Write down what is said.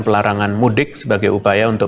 pelarangan mudik sebagai upaya untuk